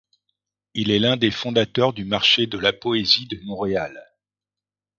Il est l’un des fondateurs du Marché de la poésie de Montréal.